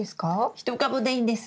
１株でいいんです。